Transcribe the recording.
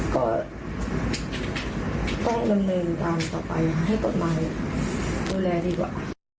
ก็ต้องดำเนินการต่อไปให้กฎหมายดูแลดีกว่า